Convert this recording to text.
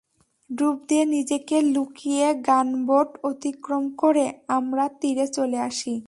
ডুব দিয়ে নিজেকে লুকিয়ে গানবোট অতিক্রম করে আমরা তীরে চলে আসি।